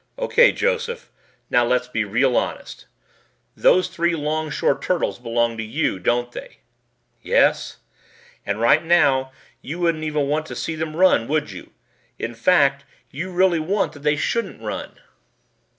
"O.K., Joseph. Now, let's be real honest. Those three longshore turtles belong to you, don't they?" "Yes." "And right now you wouldn't even want to see them run, would you? In fact, you really want that they shouldn't run."